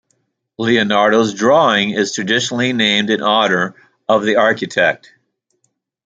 Leonardo's drawing is traditionally named in honor of the architect.